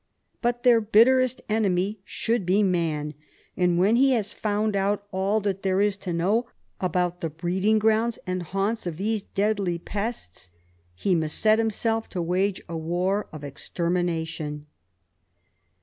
But their bitterest enemy should be man, and when he has found out all that there is to know about the breeding grounds and haunts of these deadly pests, he must set himself to wage a war of exter mination.